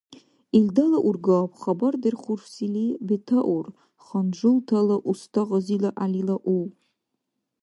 Илдала ургаб хабардерхурсили бетаур ханжултала уста Гъазила ГӀялила у.